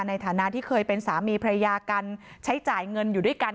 ในฐานะที่เคยเป็นสามีภรรยากันใช้จ่ายเงินอยู่ด้วยกัน